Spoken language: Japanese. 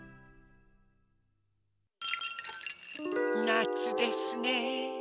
なつですね。